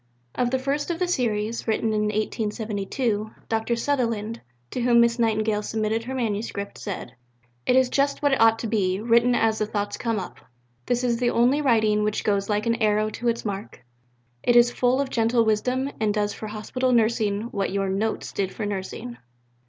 Of the first of the series, written in 1872, Dr. Sutherland, to whom Miss Nightingale submitted her manuscript, said: "It is just what it ought to be, written as the thoughts come up. This is the only writing which goes like an arrow to its mark. It is full of gentle wisdom and does for Hospital nursing what your Notes did for nursing."